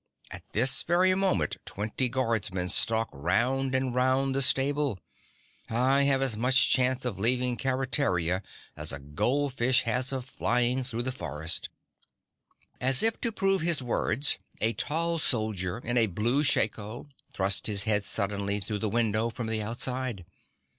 At this very moment twenty guardsmen stalk round and round the stable. I have as much chance of leaving Keretaria as a goldfish has of flying through a forest." As if to prove his words a tall soldier in a blue shako thrust his head suddenly through the window from the outside.